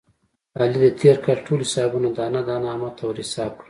علي د تېر کال ټول حسابونه دانه دانه احمد ته ور حساب کړل.